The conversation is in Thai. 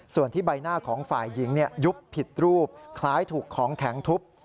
ส่วนที่ใบหน้าของฝ่ายหญิงยุบผิดรูปคล้ายถูกของแข็งทุบ